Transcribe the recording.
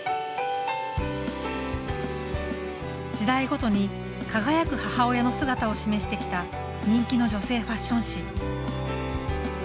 時代ごとに輝く母親の姿を示してきた人気の女性ファッション誌。